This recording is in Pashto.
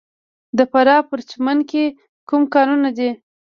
د فراه په پرچمن کې کوم کانونه دي؟